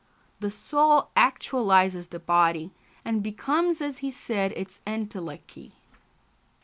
The soul actualises the body, and becomes, as he said, its entelechy.